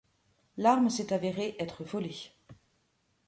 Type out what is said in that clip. L'arme s'est avérée être volée.